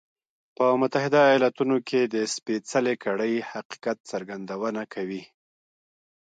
په متحده ایالتونو کې د سپېڅلې کړۍ حقیقت څرګندونه کوي.